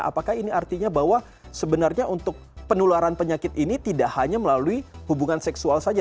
apakah ini artinya bahwa sebenarnya untuk penularan penyakit ini tidak hanya melalui hubungan seksual saja